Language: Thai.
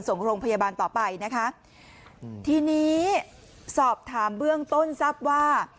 ส่งโรงพยาบาลต่อไปนะคะอืมทีนี้สอบถามเบื้องต้นทราบว่า